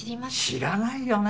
知らないよね。